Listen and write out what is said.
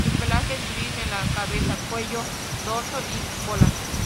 Su pelaje es gris en la cabeza, cuello, dorso y cola.